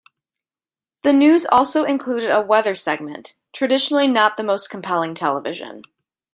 The news also included a weather segment, traditionally not the most compelling television.